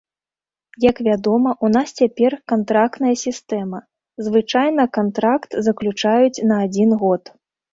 Як вядома, у нас цяпер кантрактная сістэма, звычайна кантракт заключаюць на адзін год.